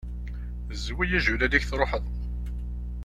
Zwi ijulal-ik truḥeḍ!